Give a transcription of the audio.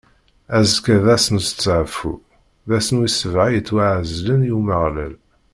Azekka d ass n usteɛfu, d ass wis sebɛa yettwaɛezlen i Umeɣlal.